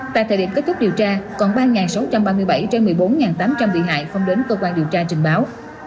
tại thời điểm kết thúc điều tra còn ba sáu trăm ba mươi bảy trên một mươi bốn tám trăm linh bị hại không đến cơ quan điều tra trình báo